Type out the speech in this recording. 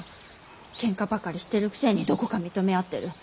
ケンカばかりしてるくせにどこか認め合ってる。